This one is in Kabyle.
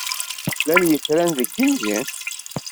Llan yetran deg yigenni?